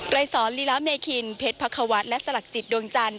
ใกล้สอนลิลาเมคินเผ็ดพระควัตรและสลักจิตดวงจันทร์